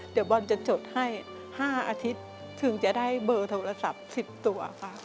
เดี๋ยวบอลจะจดให้๕อาทิตย์ถึงจะได้เบอร์โทรศัพท์๑๐ตัวค่ะ